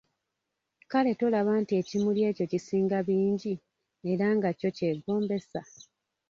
Kale tolaba nti ekimuli ekyo kisinga bingi era nga kyo kyegombesa?